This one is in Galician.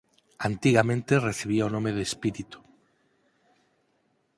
Antigamente recibía o nome de espírito.